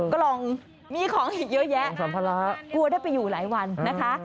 กล่องมีของอีกเยอะแยะกลัวได้ไปอยู่หลายวันนะคะ